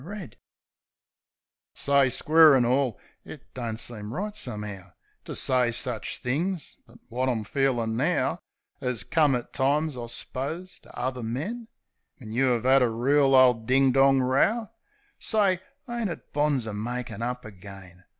THE SIREN S9 Say, square an' all — It don't seem right, some'ow, To say such things; but wot I'm feelin' now 'As come at times, I s'pose, to uvver men — When you 'ave 'ad a reel ole ding dong row, Say, ain't it bonzer makin' up agen?